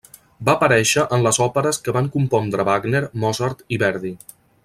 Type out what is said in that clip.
Va aparèixer en les òperes que van compondre Wagner, Mozart i Verdi.